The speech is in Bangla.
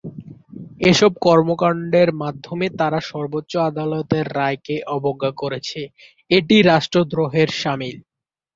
এসব কর্মকাণ্ডের মাধ্যমে তারা সর্বোচ্চ আদালতের রায়কে অবজ্ঞা করছে, এটি রাষ্ট্রদ্রোহের শামিল।